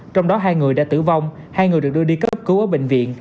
trong đó hai người đã tử vong hai người được đưa đi cấp cứu ở bệnh viện